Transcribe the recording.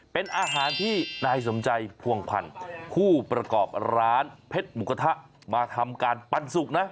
เป็นอาหารที่นายสมใจพวงพันธ์ผู้ประกอบร้านเพชรหมูกระทะมาทำการปันสุกนะ